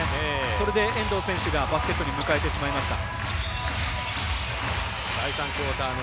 それで遠藤選手がバスケットに迎えてしまいました。